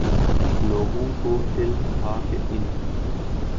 لوگوں کو علم تھا کہ ان